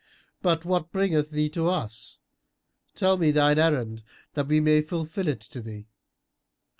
But what bringeth thee to us? Tell me thine errand that we may fulfil it to thee."